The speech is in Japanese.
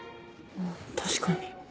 確かに。